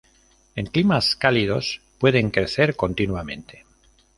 En climas cálidos pueden crecer continuamente.